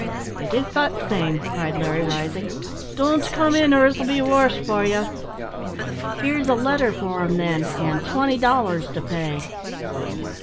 "It is that same," cried Larry, rising; "don't come in, or it'll be worse for ye." "Here's a letter for him, then, and twenty dollars to pay."